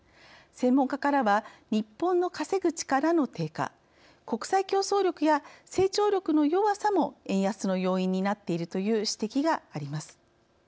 専門家からは日本の稼ぐ力の低下国際競争力や成長力の弱さも円安の要因になっているという指摘があります。